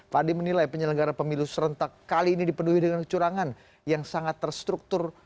fadli menilai penyelenggara pemilu serentak kali ini dipenuhi dengan kecurangan yang sangat terstruktur